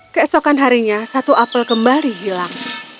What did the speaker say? keesokan harinya satu apel kembali hilang